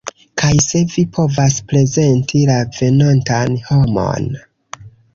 Kaj se vi povas prezenti la venontan homon